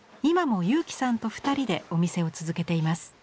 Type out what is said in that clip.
今も佑基さんと２人でお店を続けています。